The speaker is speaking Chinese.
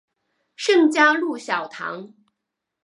圣嘉禄小堂。